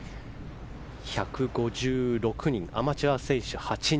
１５６人、アマチュア選手８人。